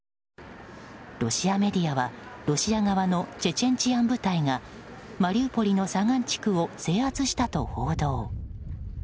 ロシアメディアはロシア側のチェチェン治安部隊がマリウポリの左岸地区を制圧したと報道。